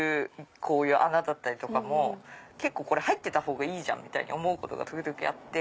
こういう穴だったりとかも入ってたほうがいいじゃん！って思うことが時々あって。